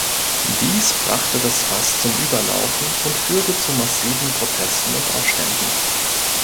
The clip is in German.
Dies brachte das Fass zum Überlaufen und führte zu massiven Protesten und Aufständen.